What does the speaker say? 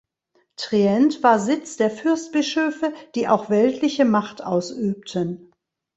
Trient war Sitz der Fürstbischöfe, die auch weltliche Macht ausübten.